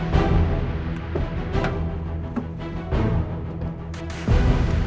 kamu kan mau ke kantor lagi kan